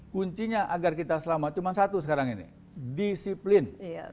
kuncinya agar kita selamat cuma satu sekarang ini disiplin